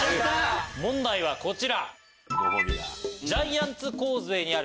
問題はこちら。